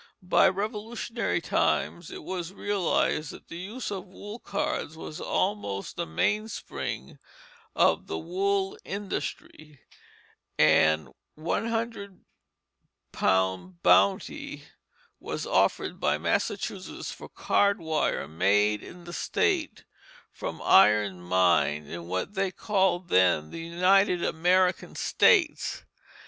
By Revolutionary times it was realized that the use of wool cards was almost the mainspring of the wool industry, and £100 bounty was offered by Massachusetts for card wire made in the state from iron mined in what they called then the "United American States."